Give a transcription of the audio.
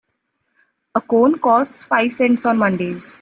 A cone costs five cents on Mondays.